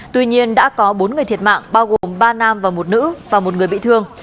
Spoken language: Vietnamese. tuy nhiên đã có bốn người thiệt mạng bao gồm ba nam và một nữ và một người bị thương